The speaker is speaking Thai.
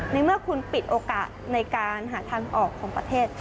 ในเมื่อคุณปิดโอกาสในการหาทางออกของประเทศ